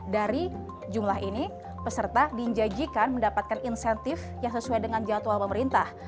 dari jumlah ini peserta dinjanjikan mendapatkan insentif yang sesuai dengan jadwal pemerintah